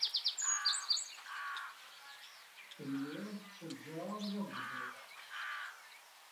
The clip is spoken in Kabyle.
Telliḍ tettajjaḍ yir ḍḍbayeɛ.